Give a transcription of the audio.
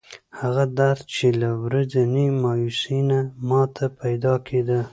هغه درد چې له ورځنۍ مایوسۍ نه ماته پیدا کېده.